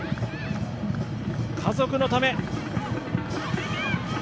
家族のため。